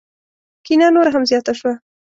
کینه نوره هم زیاته شوه.